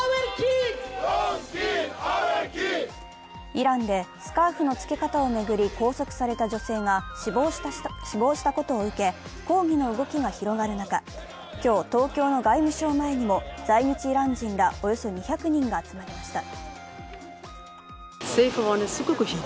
イランでスカーフの着け方を巡り拘束された女性が死亡したことを受け、抗議の動きが広がる中、今日、東京の外務省前にも在日イラン人らおよそ２００人が集まりました。